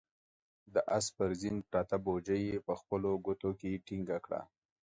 د آس پر زين پرته بوجۍ يې په خپلو ګوتو کې ټينګه کړه.